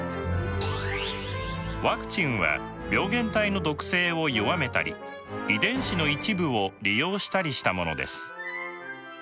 ワクチンは病原体の毒性を弱めたり遺伝子の一部を利用したりしたものです。